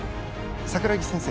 桜木先生